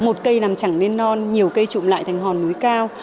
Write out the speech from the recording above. một cây nằm chẳng lên non nhiều cây trụm lại thành hòn núi cao